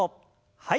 はい。